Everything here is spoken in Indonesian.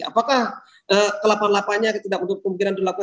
apakah kelapa lapanya tidak untuk pemikiran dilakukan